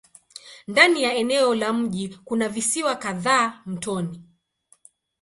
Ndani ya eneo la mji kuna visiwa kadhaa mtoni.